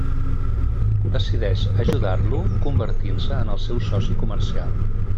Decideix ajudar-lo convertint-se en el seu soci comercial.